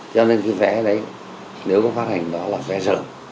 cho nên cái vé đấy nếu có phát hành đó là vé sở